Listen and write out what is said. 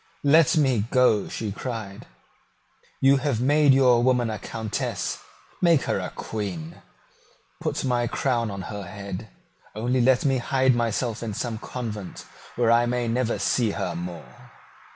"Let me go," she cried. "You have made your woman a Countess: make her a Queen. Put my crown on her head. Only let me hide myself in some convent, where I may never see her more."